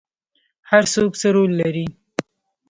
هر څوک څه رول لري؟